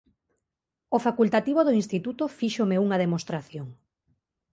O facultativo do instituto fíxome unha demostración.